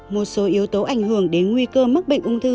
một số yếu tố ảnh hưởng đến nguy cơ mắc bệnh ung thư